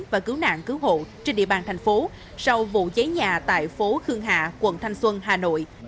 và cứu nạn cứu hộ trên địa bàn thành phố sau vụ cháy nhà tại phố khương hạ quận thanh xuân hà nội